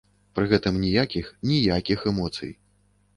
Пры гэтым ніякіх, ніякіх эмоцый!